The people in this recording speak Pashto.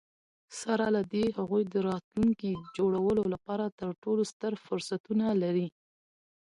سره له دي، هغوی د راتلونکي د جوړولو لپاره تر ټولو ستر فرصتونه لري.